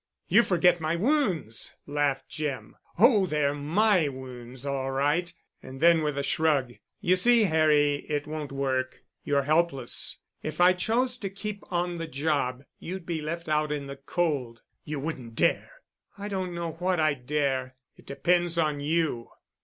"You forget my wounds," laughed Jim. "Oh, they're my wounds all right." And then, with a shrug, "You see, Harry, it won't work. You're helpless. If I chose to keep on the job, you'd be left out in the cold." "You won't dare——" "I don't know what I'd dare. It depends on you."